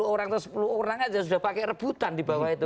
sepuluh orang atau sepuluh orang aja sudah pakai rebutan di bawah itu